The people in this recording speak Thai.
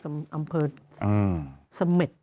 อำเภอ